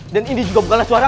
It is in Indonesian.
dan ini juga bukanlah suara